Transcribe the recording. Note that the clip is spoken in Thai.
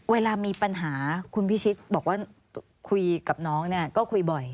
เวลามีปัญหาคุณพิชิตบอกว่าคุยกับน้องเนี่ยก็คุยบ่อย